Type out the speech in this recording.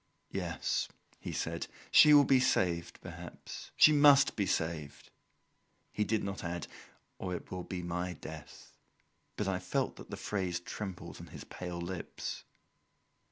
"Yes," he said. "She will be saved perhaps. She must be saved!" He did not add "or it will be my death"; but I felt that the phrase trembled on his pale lips.